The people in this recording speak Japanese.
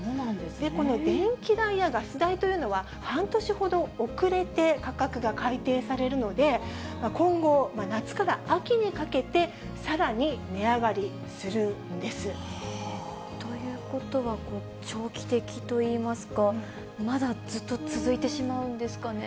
この電気代やガス代というのは、半年ほど遅れて価格が改定されるので、今後、夏から秋にかけて、ということは、長期的といいますか、まだずっと続いてしまうんですかね。